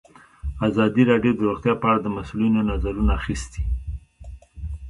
ازادي راډیو د روغتیا په اړه د مسؤلینو نظرونه اخیستي.